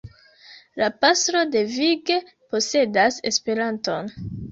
La pastro devige posedas Esperanton.